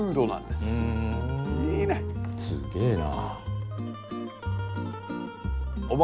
すげえな。